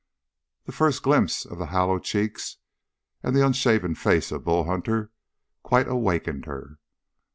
The first glimpse of the hollow cheeks and the unshaven face of Bull Hunter quite awakened her.